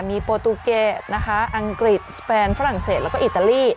มีโปรตูเกตนะคะอังกฤษสเปนฝรั่งเศสแล้วก็อิตาลี